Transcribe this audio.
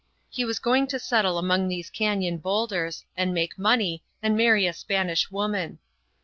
He was going to settle among these cañon boulders, and make money, and marry a Spanish woman.